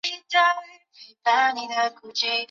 埃斯蒂尔县是一个禁酒县。